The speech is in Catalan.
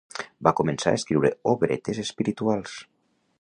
Va començar a escriure obretes espirituals.